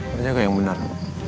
penjaga yang benar